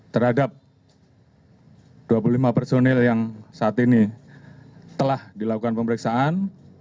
terhadap dua puluh lima personil yang saat ini telah dilakukan pemeriksaan